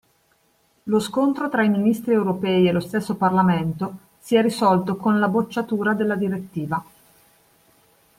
Lo scontro tra i ministri europei e lo stesso Parlamento si è risolto con la bocciatura della direttiva.